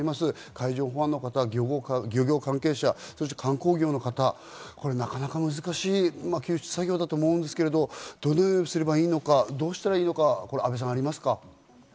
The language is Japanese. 海上保安の方、漁業関係者、そして観光業の方、なかなか難しい救出作業だと思うんですけれども、どのようにすればいいのかと、どうしたらいいのか安倍さんありますか？